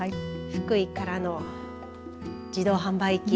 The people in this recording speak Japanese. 福井からの自動販売機。